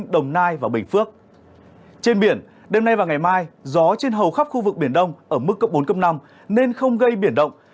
trên biển đêm nay và ngày mai gió trên hầu khắp khu vực biển đông ở mức cấp bốn năm nên không gây biển động